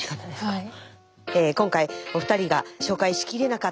はい。